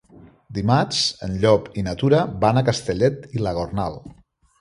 Dimarts en Llop i na Tura van a Castellet i la Gornal.